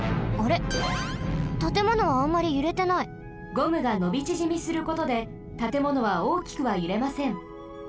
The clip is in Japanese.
ゴムがのびちぢみすることでたてものはおおきくはゆれません。